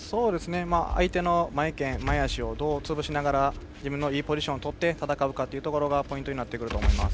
相手の前拳、前足をどう潰しながら自分のいいポジションをとって戦うかというところがポイントになると思います。